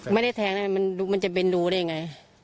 ไม่ได้แทงนะมันจะเป็นรูได้ไง